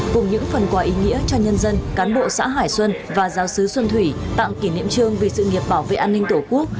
cùng những phần quà ý nghĩa cho nhân dân cán bộ xã hải xuân và giáo sứ xuân thủy tặng kỷ niệm trương vì sự nghiệp bảo vệ an ninh tổ quốc